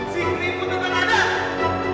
sipi pun tetap ada